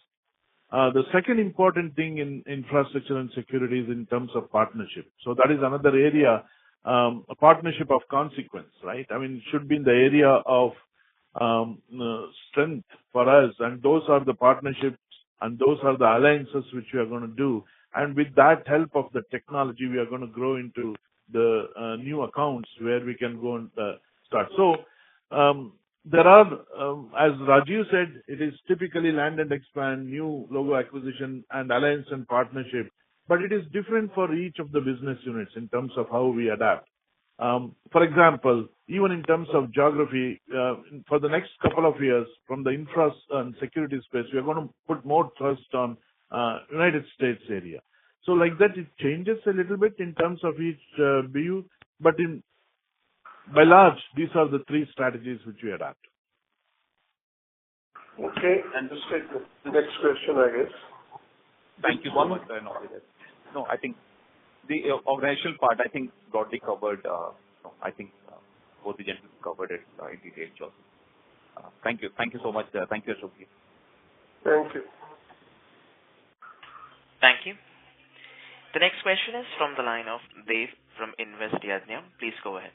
The second important thing in infrastructure and security is in terms of partnership. That is another area, a partnership of consequence, right? I mean, it should be in the area of strength for us, and those are the partnerships and those are the alliances which we are gonna do. With that help of the technology, we are gonna grow into the new accounts where we can go and start. As Rajiv said, it is typically Land and Expand, new logo acquisition and alliance and partnership, but it is different for each of the business units in terms of how we adapt. For example, even in terms of geography, for the next couple of years from the infra and security space, we are gonna put more trust on United States area. Like that it changes a little bit in terms of each BU, but by and large, these are the three strategies which we adapt. Okay. Just take the next question, I guess. Thank you very much. No, I think the organizational part, I think broadly covered, I think both the gentlemen covered it in detail. Thank you. Thank you so much. Thank you, Ashok. Thank you. Thank you. The next question is from the line of Dev from Invest Yadnya. Please go ahead.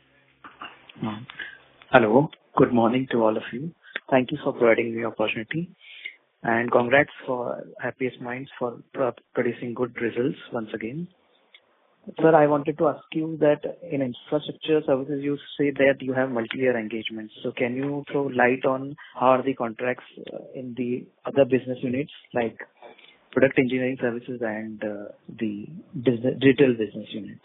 Hello. Good morning to all of you. Thank you for providing me opportunity. Congrats for Happiest Minds for producing good results once again. Sir, I wanted to ask you that in infrastructure services you say that you have multi-year engagements. Can you throw light on how are the contracts in the other business units like Product Engineering Services and Digital Business Services?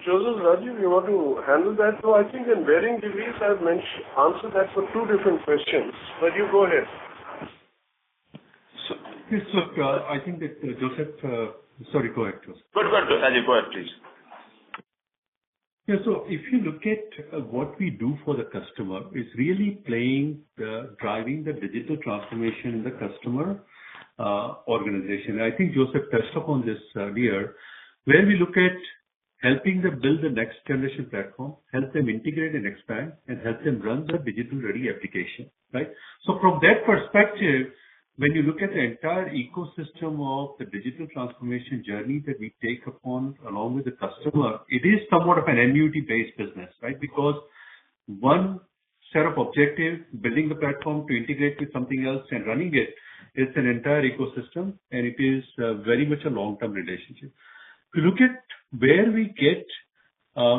Joseph, Rajiv, you want to handle that? I think in varying degrees I've answered that for two different questions. Rajiv, go ahead. Yes, look, I think that Joseph. Sorry. Go ahead, Joseph. Go, Rajiv. Go ahead, please. Yeah. If you look at what we do for the customer, it's really driving the digital transformation in the customer organization. I think Joseph touched upon this earlier. Where we look at helping them build the next generation platform, help them integrate and expand, and help them run the digital-ready application, right? From that perspective, when you look at the entire ecosystem of the digital transformation journey that we take upon along with the customer, it is somewhat of an annuity-based business, right? Because one set of objectives, building the platform to integrate with something else and running it's an entire ecosystem, and it is very much a long-term relationship. If you look at where we get,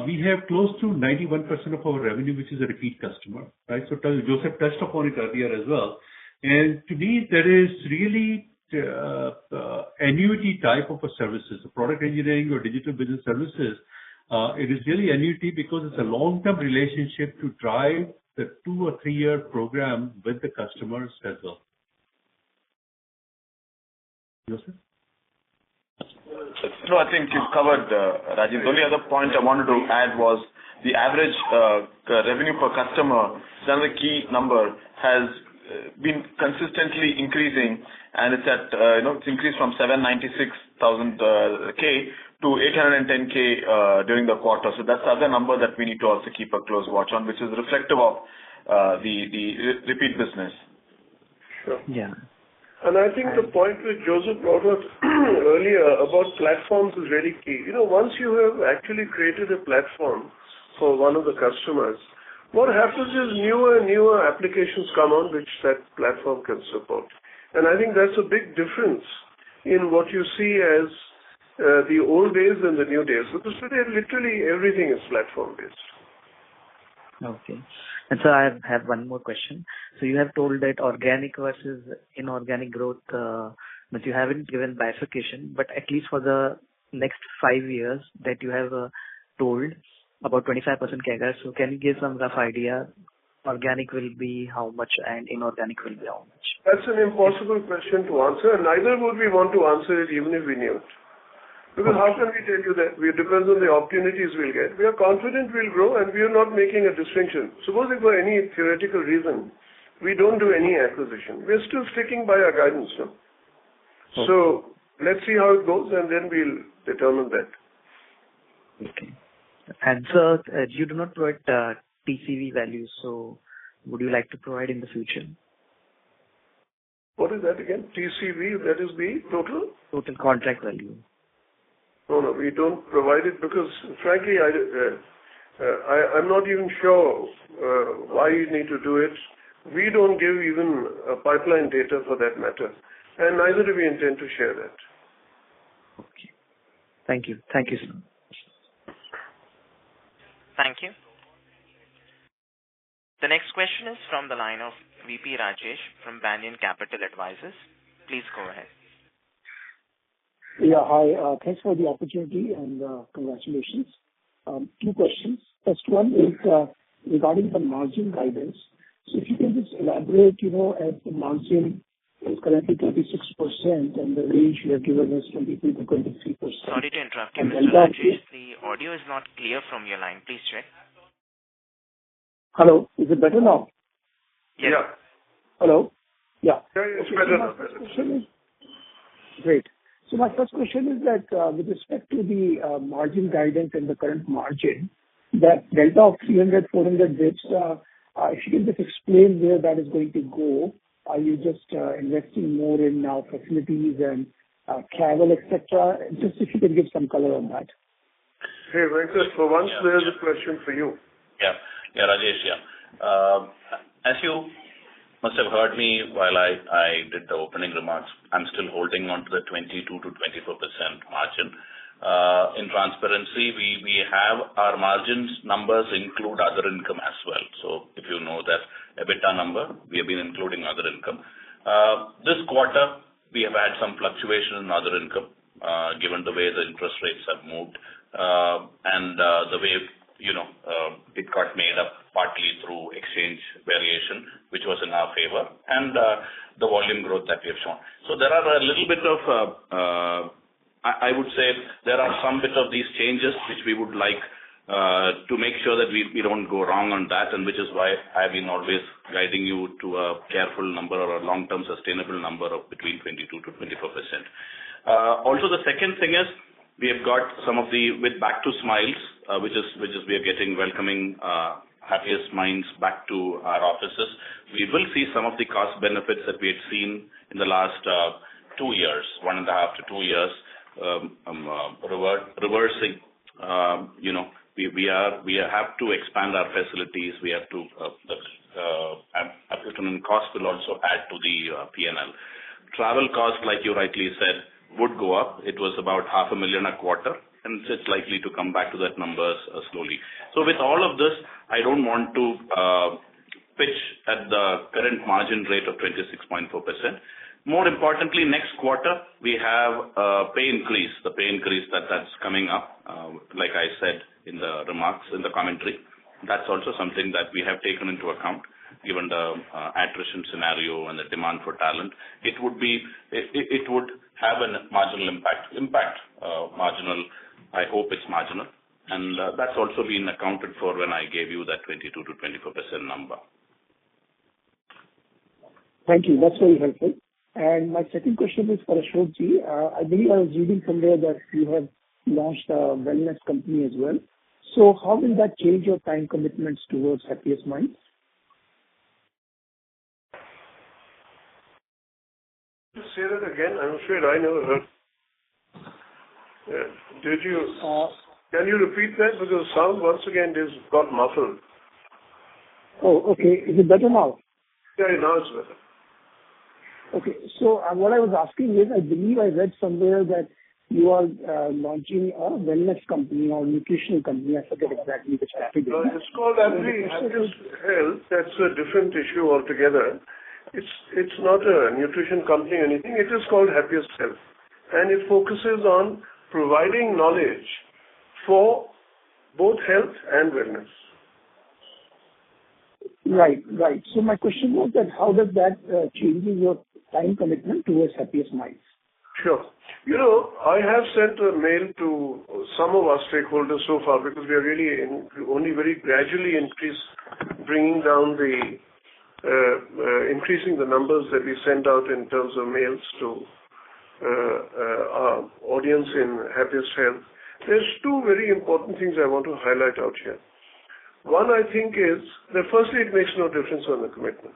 we have close to 91% of our revenue, which is a repeat customer, right? Joseph touched upon it earlier as well. To me that is really annuity type of a services. The Product Engineering or Digital Business Services, it is really annuity because it's a long-term relationship to drive the 2- or three-year program with the customers as well. Joseph. I think you've covered, Rajiv. The only other point I wanted to add was the average revenue per customer. It's another key number, has been consistently increasing and it's increased from $796K to $810K during the quarter. That's the other number that we need to also keep a close watch on, which is reflective of the repeat business. Sure. Yeah. I think the point that Joseph brought up earlier about platforms is very key. You know, once you have actually created a platform for one of the customers, what happens is newer and newer applications come on which that platform can support. I think that's a big difference in what you see as the old days and the new days. Because today literally everything is platform-based. Okay. Sir, I have one more question. You have told that organic versus inorganic growth, but you haven't given bifurcation. At least for the next five years that you have told about 25% CAGR. Can you give some rough idea organic will be how much and inorganic will be how much? That's an impossible question to answer, and neither would we want to answer it even if we knew it. Because how can we tell you that? We're dependent on the opportunities we'll get. We are confident we'll grow, and we are not making a distinction. Suppose if for any theoretical reason we don't do any acquisition, we're still sticking by our guidance. Okay. Let's see how it goes, and then we'll determine that. Okay. Sir, you do not provide TCV value, so would you like to provide in the future? What is that again? TCV, that is the total? Total Contract Value. No, no, we don't provide it because frankly, I'm not even sure why you need to do it. We don't give even a pipeline data for that matter, and neither do we intend to share that. Okay. Thank you. Thank you, sir. Thank you. The next question is from the line of V.P. Rajesh from Banyan Capital Advisors. Please go ahead. Yeah, hi. Thanks for the opportunity and congratulations. Two questions. First one is regarding the margin guidance. If you can just elaborate, you know, as the margin is currently 36% and the range you have given us 23% to 23%. Sorry to interrupt you, Mr. V.P. Rajesh. The audio is not clear from your line. Please check. Hello. Is it better now? Yeah. Hello? Yeah. It's better now. Great. My first question is that, with respect to the margin guidance and the current margin, that delta of 300-400 basis, if you can just explain where that is going to go. Are you just investing more in new facilities and travel, et cetera? Just if you can give some color on that. Hey, Venkatraman Narayanan, for once there's a question for you. Yeah. Yeah, Rajesh, yeah. As you must have heard me while I did the opening remarks, I'm still holding on to the 22% to 24% margin. In transparency, we have our margins numbers include other income as well. So if you know that EBITDA number, we have been including other income. This quarter we have had some fluctuation in other income, given the way the interest rates have moved, and the way, you know, it got made up partly through exchange variation, which was in our favor, and the volume growth that we have shown. There are a little bit of. I would say there are some bit of these changes which we would like to make sure that we don't go wrong on that, and which is why I've been always guiding you to a careful number or a long-term sustainable number between 22% to 24%. Also the second thing is we have got some of the with Back to Smiles, which is we are welcoming Happiest Minds back to our offices. We will see some of the cost benefits that we had seen in the last one and a half to two years, reversing, you know. We have to expand our facilities. The additional cost will also add to the P&L. Travel costs, like you rightly said, would go up. It was about half a million INR a quarter, and it's likely to come back to those numbers slowly. With all of this, I don't want to pitch at the current margin rate of 26.4%. More importantly, next quarter we have a pay increase. The pay increase that's coming up, like I said in the remarks, in the commentary. That's also something that we have taken into account given the attrition scenario and the demand for talent. It would have a marginal impact. I hope it's marginal. That's also been accounted for when I gave you that 22% to 24% number. Thank you. That's very helpful. My second question is for Ashok Soota. I believe I was reading somewhere that you have launched a wellness company as well. How will that change your time commitments towards Happiest Minds? Could you say that again? I'm afraid I never heard. Can you repeat that? Because sound once again is got muffled. Oh, okay. Is it better now? Yeah, now it's better. Okay. What I was asking is, I believe I read somewhere that you are launching a wellness company or nutritional company. I forget exactly which category. No, it's called Happiest Health. That's a different issue altogether. It's not a nutrition company or anything. It is called Happiest Health, and it focuses on providing knowledge for both health and wellness. Right. My question was that how does that changing your time commitment towards Happiest Minds? Sure. You know, I have sent a mail to some of our stakeholders so far because we are really only very gradually increasing the numbers that we sent out in terms of mails to our audience in Happiest Health. There are two very important things I want to highlight here. One, I think is that firstly, it makes no difference on the commitment.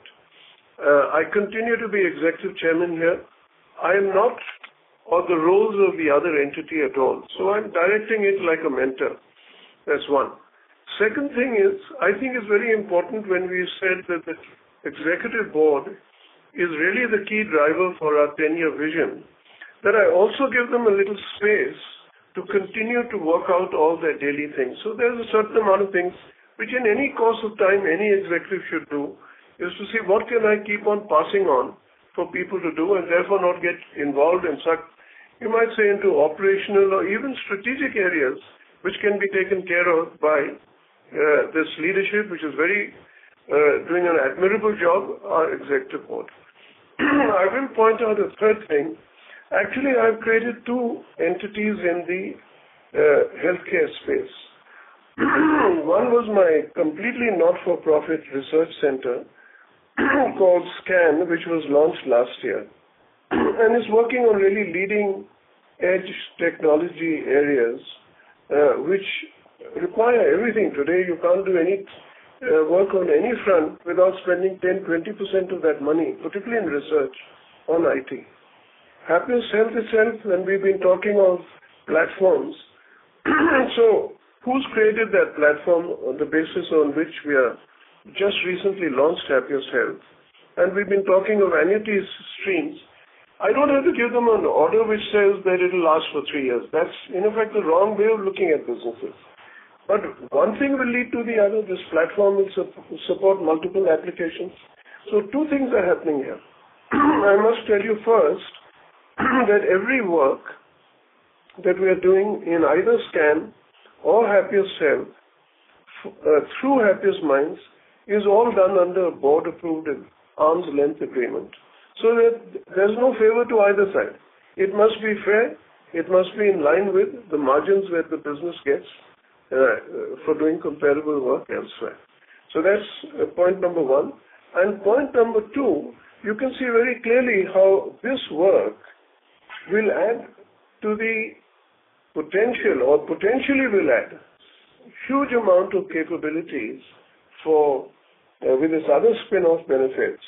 I continue to be executive chairman here. I am not on the rolls of the other entity at all, so I'm directing it like a mentor. That's one. Second thing is, I think it's very important when we said that the executive board is really the key driver for our ten-year vision, that I also give them a little space to continue to work out all their daily things. There's a certain amount of things which in any course of time any executive should do, is to say, "What can I keep on passing on for people to do?" Therefore not get involved in such. You might say into operational or even strategic areas which can be taken care of by this leadership, which is very doing an admirable job, our executive board. I will point out a third thing. Actually, I've created two entities in the healthcare space. One was my completely not-for-profit research center called SKAN, which was launched last year, and is working on really leading-edge technology areas, which require everything. Today, you can't do any work on any front without spending 10% to 20% of that money, particularly in research on IT. Happiest Health itself, and we've been talking of platforms, and so who's created that platform on the basis on which we have just recently launched Happiest Health? We've been talking of any of these streams. I don't have to give them an order which says that it'll last for three years. That's in effect, the wrong way of looking at businesses. One thing will lead to the other. This platform will support multiple applications. Two things are happening here. I must tell you first that every work that we are doing in either SKAN or Happiest Health, through Happiest Minds, is all done under a board-approved arm's length agreement, so that there's no favor to either side. It must be fair. It must be in line with the margins that the business gets, for doing comparable work elsewhere. That's point number one. Point number two, you can see very clearly how this work will add to the potential or potentially will add huge amount of capabilities for, with this other spin-off benefits,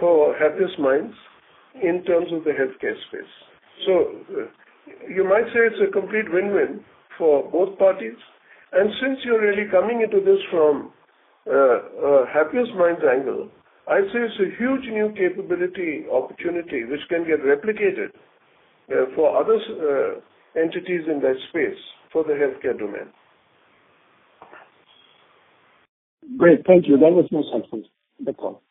for Happiest Minds in terms of the healthcare space. So you might say it's a complete win-win for both parties. Since you're really coming into this from, a Happiest Minds angle, I say it's a huge new capability opportunity which can get replicated, for other, entities in that space for the healthcare domain. Great. Thank you. That was my question. That's all.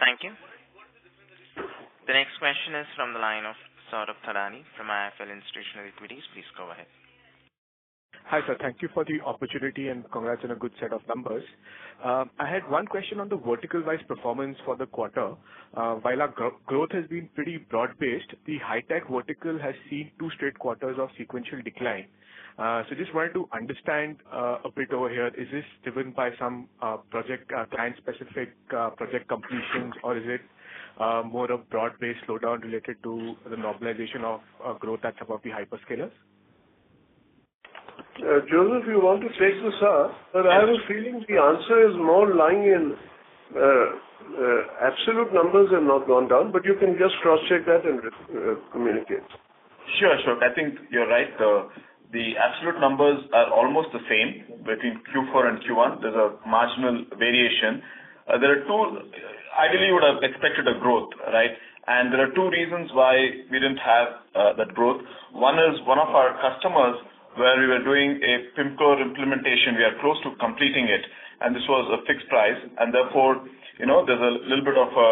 Thank you. The next question is from the line of Saurabh Thadani from IIFL Institutional Equities. Please go ahead. Hi, sir. Thank you for the opportunity and congrats on a good set of numbers. I had one question on the vertical-wise performance for the quarter. While our growth has been pretty broad-based, the high-tech vertical has seen two straight quarters of sequential decline. Just wanted to understand a bit over here. Is this driven by some project client-specific project completions, or is it more of broad-based slowdown related to the normalization of growth that's above the hyperscalers? Joseph, you want to take this up? Yes. I have a feeling the answer is more lying in absolute numbers have not gone down, but you can just cross-check that and communicate. Sure, sure. I think you're right. The absolute numbers are almost the same between Q4 and Q1. There's a marginal variation. There are two. I believe you would have expected a growth, right? There are two reasons why we didn't have that growth. One is one of our customers where we were doing a Pimcore implementation, we are close to completing it, and this was a fixed price, and therefore, you know, there's a little bit of a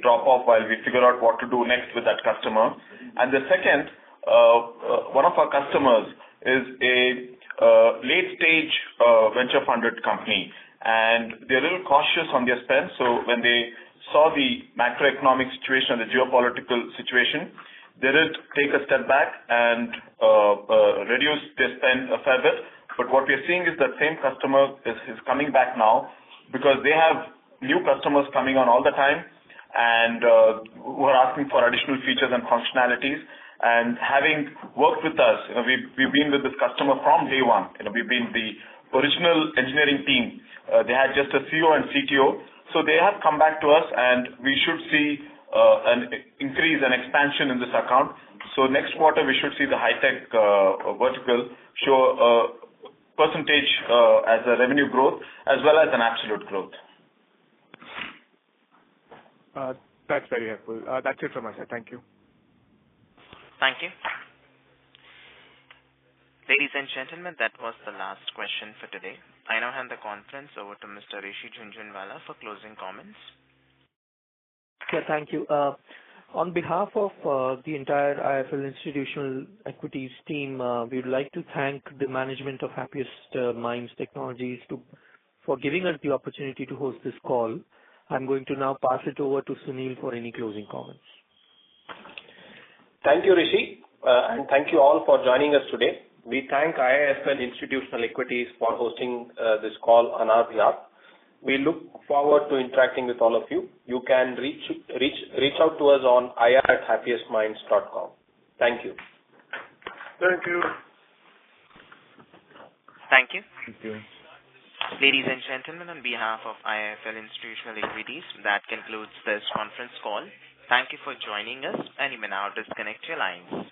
drop-off while we figure out what to do next with that customer. The second, one of our customers is a late-stage venture-funded company, and they're a little cautious on their spend. When they saw the macroeconomic situation, the geopolitical situation, they did take a step back and reduce their spend a fair bit. What we are seeing is that same customer is coming back now because they have new customers coming on all the time and, who are asking for additional features and functionalities. Having worked with us, you know, we've been with this customer from day one. You know, we've been the original engineering team. They had just a CEO and CTO. They have come back to us, and we should see an increase and expansion in this account. Next quarter, we should see the high-tech vertical show percentage as a revenue growth as well as an absolute growth. That's very helpful. That's it from my side. Thank you. Thank you. Ladies and gentlemen, that was the last question for today. I now hand the conference over to Mr. Rishi Jhunjhunwala for closing comments. Yeah. Thank you. On behalf of the entire IIFL Institutional Equities team, we'd like to thank the management of Happiest Minds Technologies for giving us the opportunity to host this call. I'm going to now pass it over to Sunil for any closing comments. Thank you, Rishi. Thank you all for joining us today. We thank IIFL Institutional Equities for hosting this call on our behalf. We look forward to interacting with all of you. You can reach out to us on ir@happiestminds.com. Thank you. Thank you. Thank you. Thank you. Ladies and gentlemen, on behalf of IIFL Institutional Equities, that concludes this conference call. Thank you for joining us, and you may now disconnect your lines.